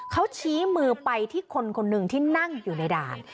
เขาชี้มือไปที่คนคนหนึ่งที่นั่งอยู่ในด่าน